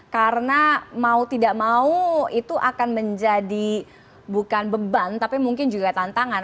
karena mau tidak mau itu akan menjadi bukan beban tapi mungkin juga tantangan